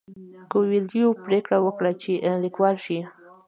کویلیو پریکړه وکړه چې لیکوال شي.